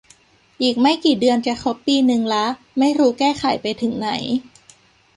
อีกไม่กี่เดือนจะครบปีนึงละ ไม่รู้แก้ไขไปถึงไหน